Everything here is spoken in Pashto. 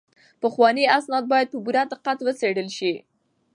پخواني اسناد باید په پوره دقت وڅیړل شي.